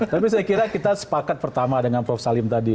tapi saya kira kita sepakat pertama dengan prof salim tadi